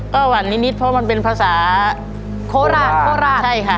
ก็หวั่นนิดเพราะมันเป็นภาษาโคราชโคราชใช่ค่ะ